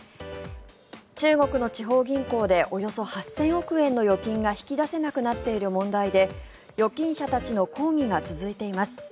中国の地方銀行でおよそ８０００億円の預金が引き出せなくなっている問題で預金者たちの抗議が続いています。